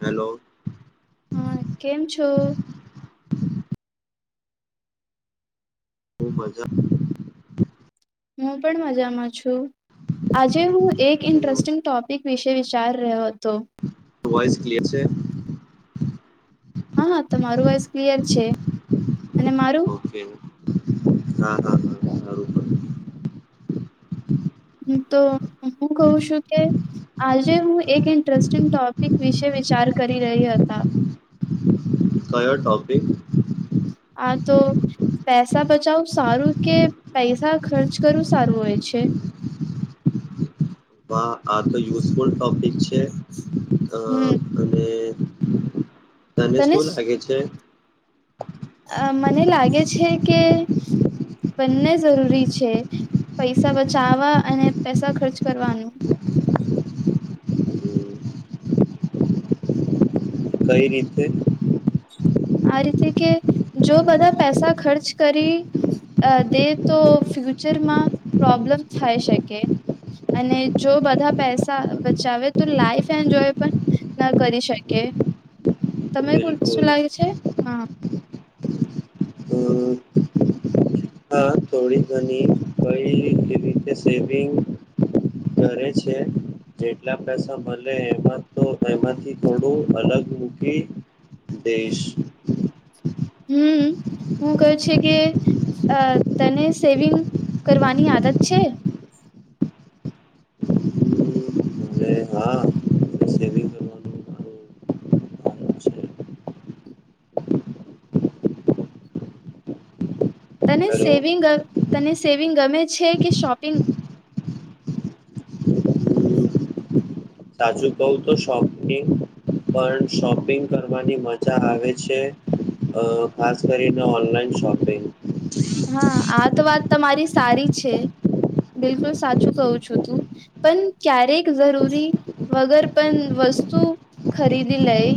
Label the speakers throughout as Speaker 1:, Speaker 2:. Speaker 1: Hello
Speaker 2: હા કેમ છો
Speaker 1: હ મજા
Speaker 2: હું પણ મજામાં છું આજે હું એક
Speaker 1: હેલો
Speaker 2: ઇન્ટરેસ્ટિંગ ટોપિક વિશે વિચાર રહ્યો હતો
Speaker 1: વોઈસ ક્લીયર છે?
Speaker 2: હા તમારું વાઇસ ક્લિયર છે, અને મારું
Speaker 1: ઓકે હા હા હા સારું
Speaker 2: તો હું કઉું છું કે આજે હું એક ઇન્ટરેસ્ટિંગ ટોપિક વિશે વિચાર કરી રહી હતા
Speaker 1: કયો ટોપિક?
Speaker 2: આ તો પૈસા બચાવું સારું કે પૈસા ખર્ચ કરવું સારું હોય છે
Speaker 1: વાહ આ તો યુઝફુલ ટોપિક છે, અ
Speaker 2: હમ
Speaker 1: અને તને સુ લાગે છે?
Speaker 2: અ મને લાગે છે કે બંને જરૂરી છે પૈસા બચાવવા અને પૈસા ખર્ચ કરવાનું
Speaker 1: હમ, કઈ રતે
Speaker 2: આ રીતે કે જો બધા પૈસા ખર્ચ કરી દે તો ફ્યુચરમાં પ્રોબ્લમ થાય શકે અને જો બધા પૈસા બચાવે તો લાઈફ એન્જોય પણ ન કરી શકે, ત
Speaker 1: બિલકુલ
Speaker 2: શું લાગે હા
Speaker 1: અમ ની કઈવી રીતે સેવિંગ કરે છે જેટલા પૈસા મળે એમાં તો એમાંથી થોડું અલગ મૂકી દઈશ
Speaker 2: હમ હું કહું છે કે તને સેવિંગ કરવાની આદત છે
Speaker 1: અને હા સેવિંગ કરવાનું મારું
Speaker 2: તને
Speaker 1: હેલો
Speaker 2: સેવિંગ તને સેવિંગ ગમે છે કે શોપિંગ
Speaker 1: સાચું કઉ તો શોપિંગ પણ શોપિંગ કરવાની મજા આવે છે, ખાસ કરીને ઓનલાઈન શોપિંગ
Speaker 2: હા આ તો વાત તમારી સારી છે બિલકુલ સાચું કહું છું તું પણ ક્યારેક જરૂરી વગર પણ વસ્તુ ખરીદી લઈ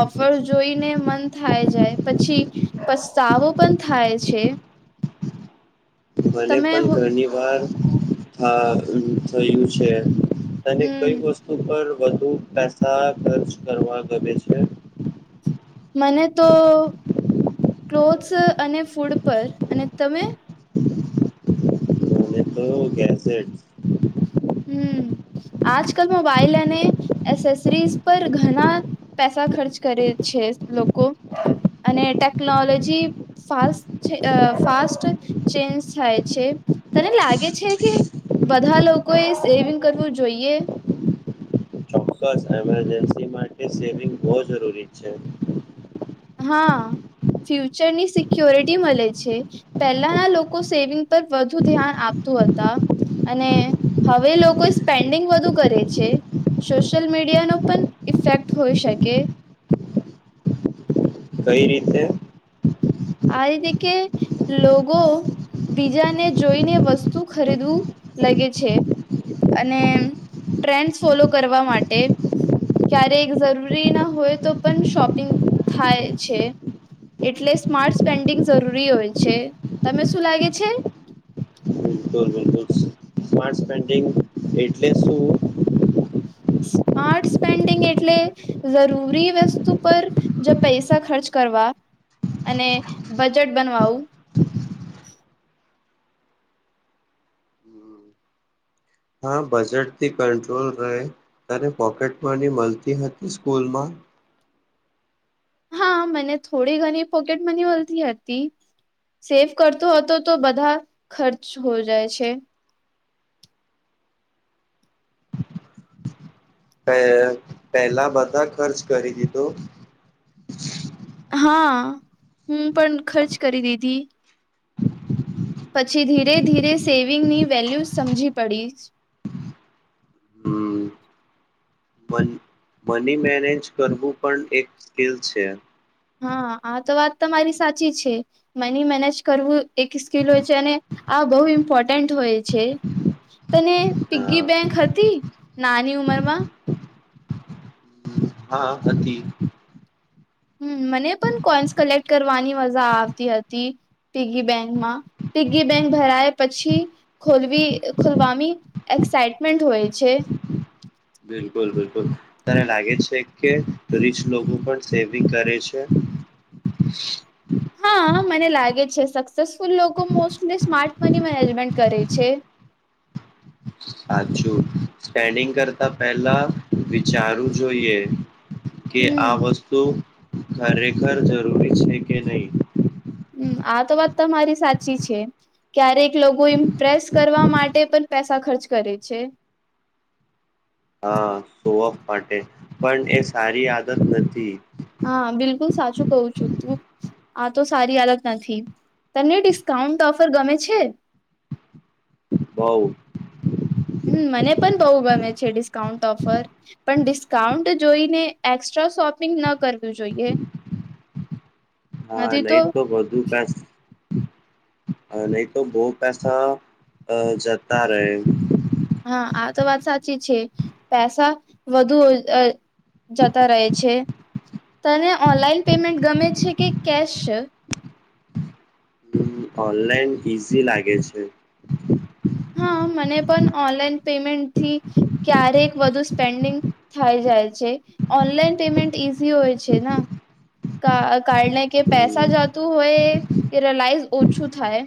Speaker 2: ઓફર જોઈને મન થાય જાય પછી પસ્તાવો પણ થાય છે,
Speaker 1: મને
Speaker 2: તમે
Speaker 1: પણ ઘણી વાર હ થયું છે અને
Speaker 2: હમ
Speaker 1: કઈ વસ્તુ પર વધુ પૈસા ખર્ચ કરવા ગમે છે?
Speaker 2: મને તો ક્લોથસ અને ફૂડ પર અને તમે
Speaker 1: એટો ગેઝેટ
Speaker 2: હમ આજકાલ મોબાઈલ અને એસેસરીઝ પર ઘણા પેસા ખર્ચ કરે છે, લોકો અને ટેકનોલોજી ફાસ્ટ ફાસ્ટ ચેન્જ થાય છે તને લાગે છે, કે બધા લોકો કોઈ સેવિંગ કરવું જોઈએ,
Speaker 1: ચોક્કસ એમરજન્સી માટે સેવિંગ બહુ જરૂરી છે,
Speaker 2: હા ફ્યુચરની સિક્યોરિટી મળે છે પહેલાંના લોકો સેવિંગ પર વધુ ધ્યાન આપતું હતા અને હવે લોકો સ્પેન્ડિંગ વધુ કરે છે સોશયલ મીડિયાનો પણ ઇફેક્ટ હોઈ શકે
Speaker 1: કઈ રીતે?
Speaker 2: આ રીતે કે લોકો બીજાને જોઈને વસ્તુ ખરીદવું લાગે છે, અને ટ્રેન્ડ ફોલો કરવા માટે ક્યારે જરૂરી ના હોય તો પણ શોપિંગ થાય છે, એટલે સ્માર્ટ સ્પેન્ડિંગ જરૂરી હોય છે, તમે શું લાગે છે
Speaker 1: બિલકુલ બિલકુલ સ્માર્ટ પેન્ટિંગ એટલે શું?
Speaker 2: સ્માર્ટ સ્પેન્ડિંગ એટલે જરૂરી વસ્તુ પર જો પૈસા ખર્ચ કરવા અને બજેટ બનવાવું.
Speaker 1: હા બજેટથી કટ્રોલ રહે તને પોકેટ મની મળતી હતી સ્કૂલમાં
Speaker 2: હા મને થોડી ઘણી પોકેટ મની મળતી હતી સેવ કરતો હતો તો બધા ખર્ચ હો જાય છે.
Speaker 1: [unintelligible] પેલા બધા ખર્ચ કરી દીધો.
Speaker 2: આ હું પણ ખર્ચ કરી દીધી પછી ધીરે ધીરે સેવિંગની વેલ્યુ સમજી પડીશ.
Speaker 1: હમ્મ મન મની મેનેજ કરવું પણ એક સ્કિલ છે.
Speaker 2: હા આ તો વાત તમારી સાચી છે મની મેનેજ કરવું એક સ્કીિલ હોય છે, અને આ બહુ ઇમ્પોર્ટન્ટ હોય છે તને
Speaker 1: હા
Speaker 2: પીગી બેંક હતી. નાની ઉંમર માં
Speaker 1: હા હતી.
Speaker 2: હમ્મ મને પણ કોઈન્સ કલેક્ટ કરવાની મજા આવતી હતી, પીગી બેન્કમાં પીગી બેન્ક ભરાય પછી ખોલવી ખોલવાની એક્સાઈટમેન્ટ હોય છે.
Speaker 1: બિલકુલ બિલકુલ તને લાગે છે કે રીચ લોકો પણ સેવિંગ કરે છે.
Speaker 2: હા મને લાગે છે સક્સેસફુલ લોકો મોસ્ટલી સ્માર્ટ મની મેનેજમેન્ટ કરે છે.
Speaker 1: સાચું સ્પેન્ડિંગ કરતા પેલા વિચારવું જોઈએ. કે આ
Speaker 2: હમ
Speaker 1: વસ્તુ ખરેખર જરૂરી છે કે નઈ.
Speaker 2: હમ્મ આ તો વાત તો મારી સાચી છે ક્યારેક લોકો ઈમ્પ્રેસ કરવા માટે પણ પેસ તા ખર્ચ કરે છે.
Speaker 1: હા ગો ઓફ માટે પણ એ સારી આદત નથી.
Speaker 2: હા બિલકુલ સાચું કઉ છું તું આ તો સારી આલત નથી, તને ડિસ્કાઉન્ટ ઓફર ગમે છે.
Speaker 1: બઉ.
Speaker 2: હમ મને પણ બહુ ગમે છે ડિસ્કાઉન્ટ ઓફર. પણ ડિસ્કાઉન્ટ જોઈને એક્સ્ટ્રા શોપિંગ ન કર
Speaker 1: હા નહી તો બધું કાસ હ નહી તો બઉ પૈસા અ જતા રહે.
Speaker 2: હા આ તો વાત સાચી છે, પૈસા વધુ જતા રહે છે, તને ઓનલાઈન પેમેન્ટ ગમે છે કે કેશ.
Speaker 1: ઓનલાઈન ઈઝી લાગે છે.
Speaker 2: હા મને પણ ઓનલાઈન પેમેન્ટથી ક્યારેક વધુ સ્પેન્ડિંગ થઈ જાય છે ઓનલાઈન પેમેન્ટ ઈઝી હોય છે ને કા કારણે કે પૈસા
Speaker 1: હમ
Speaker 2: જતું હોય એ રલાઈઝ ઓછું થાય.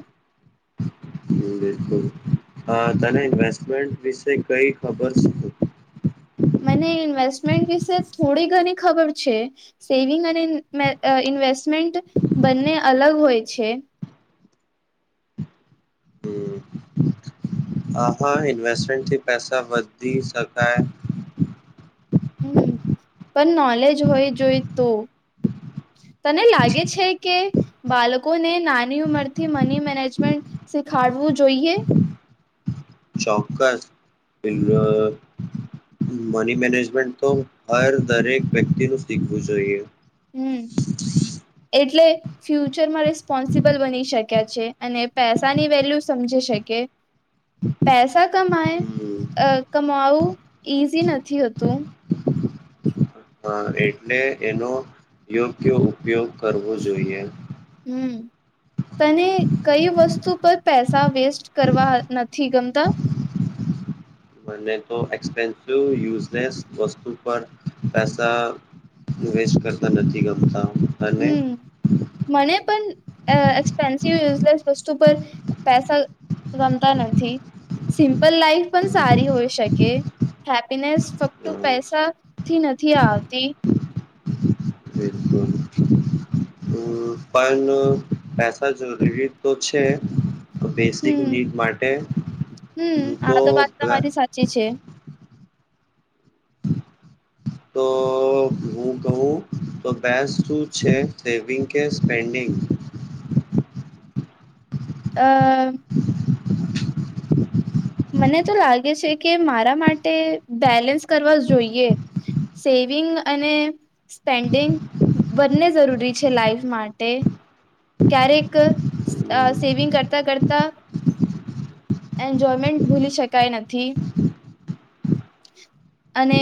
Speaker 1: બિલકુલ અ તને ઇન્વેસ્ટમેન્ટ વિશે કઈ ખબર [unintelligible]
Speaker 2: મને ઇન્વેસ્ટમેન્ટ વિશે થોડી ઘણી ખબર છે, સેવિંગ અને અ ઇન્વેસ્ટમેન્ટ બંને અલગ હોય છે.
Speaker 1: આહા ઇન્વેસ્ટમેન્ટથી પૈસા વધી શકાય.
Speaker 2: હમ્મ પણ નોલેજ હોય જોઈ તો તને લાગે છે કે બાલકોને નાની ઉંમરથી મની મેનેજમેન્ટ શીખાડવું જોઈએ.
Speaker 1: ચોક્કસ મની મેનેજમેન્ટ તો હર દરેક વ્યક્તિનું શીખવું જોઈએ.
Speaker 2: હમ્મ એટલે ફ્યુચરમાં રિસ્પોન્સિબલ બની શક ક્યાં છે અને પૈસાની વેલ્યુ સમજી શકે પેસા કમાય
Speaker 1: હમ
Speaker 2: કમાવું ઈઝી નથી હોતું.
Speaker 1: હ એટલે એનો યોગ્ય ઉપયોગ કરવો જોઈએ.
Speaker 2: હમ તને કઈ વસ્તુ પર પૈસા વેસ્ટ કરવા નથી ગમતા.
Speaker 1: મને તો એક્સપેન્સિવ યુઝલેસ વસ્તુ પર પૈસા વેસ્ટ કરતા નથી ગમતા. અને
Speaker 2: હમ્મ મને પણ એક્સપેન્સિવ યુઝલેસ વસ વતુ પર પૈસા રમતા નથી સિમ્પલ લાઈફ પણ સારી હોય શકે હેપીનેસ ફક્ત
Speaker 1: હમ,
Speaker 2: પૈસાથી નથી આવતી
Speaker 1: બિલકુલ હમ પણ પૈસા જરૂરી તો છે બેસિક
Speaker 2: હમ
Speaker 1: નીડ માટે હ
Speaker 2: હમ આ
Speaker 1: તો
Speaker 2: વાત તમારી સાચી છે
Speaker 1: તો હું કહું તો બેસ શું છે સેવિંગ કે સ્પેન્ડિંગ
Speaker 2: [inaudible] મને તો લાગે છે કે મારા માટે બેલેન્સ કરવા જોઈએ સેવિંગ અને સ્પેન્ડિંગ બંને જરૂરી છે લાાઈફ માટે ક્યારેક
Speaker 1: હમ,
Speaker 2: સેવિંગ કરતા કરતા એન્જોયમેન્ટ ભૂલી શકાય નથી અને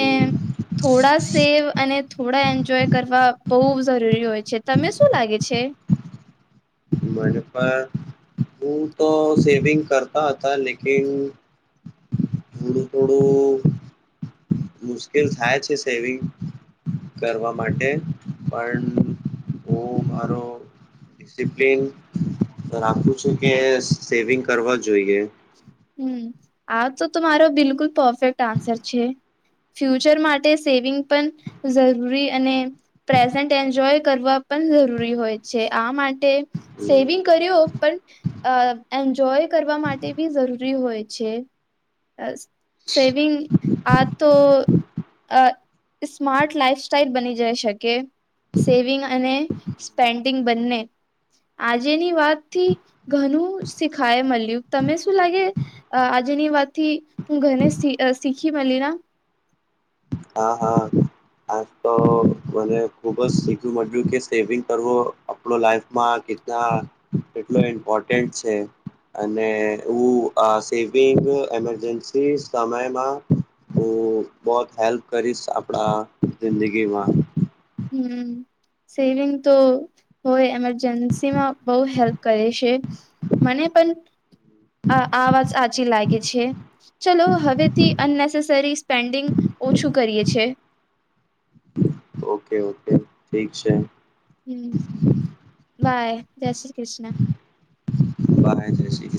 Speaker 2: થોડા સેવ અને થોડા એન્જોય કરવા બહુ જરૂરી હોય છે તને શું લાગે છે
Speaker 1: એપ સેવિંગ કરતા હતા લકન થડું થોડું મુશ્કેલ થાય છે સેવિંગ કરવા માટે પણ હું મારો ડિસિપ્લિન રાખું છું કે સેવિંગ કરવા જોઈએ
Speaker 2: હમ આ તો મારો બિલકુલ પરફેક્ટ આન્સર છે ફ્યુચર માટે સેવિંગ પણ જરૂરી અને પ્રેઝન્ટ એન્જોય કરવા પણ જરૂરી હોય છે આ માટે
Speaker 1: હમ,
Speaker 2: સેવિંગ કર્યો પણ એન્જોય કરવા માટે જરૂરી હોય છે સેવિંગ આ તો સ્માર્ટ લાઈફ સાઈલ બની જાય શકે સેવિંગ અને સ્પેન્ડિંગ બંને આજેની વાતથી ઘણું શીખાય મળ્યું તમે શું લાગે આજેની વાત થી હું ઘને શીખી મળલી ના
Speaker 1: હા હા આજ તો મને ખુબ જ શીખું મળ્યું કે સેવિંગ કરવો આપણો લાઈફમાં કેટના કેટલો ઇમ્પોર્ટન્ટ છે અને હું સેવિંગ એમરજન્સી સમયમાં હું બહ હેલ્પ કરીશ આપણા જિંદગીમાં
Speaker 2: હમ સેવિંગ તો હોય એમરજન્સીમાં બહુ હેલ્પ કરે છે મને પણ આ આવાજ સાચી લાગે છે ચલો હવેથી અનનેસેસરી પેન્ડિંગ ઓછું કરીએી
Speaker 1: ઓકે ઓકે ઠીક છે
Speaker 2: [inaudible] વાાય જ
Speaker 1: બાય જ શી